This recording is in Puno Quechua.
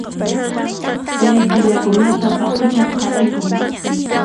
Kay killakunata paqucha qatikun